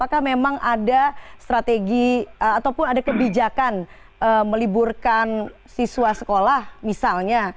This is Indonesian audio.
apakah memang ada strategi ataupun ada kebijakan meliburkan siswa sekolah misalnya